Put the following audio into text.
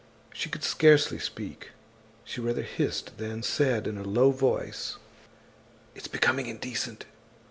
She could scarcely speak. She rather hissed than said in a low voice: "It's becoming indecent.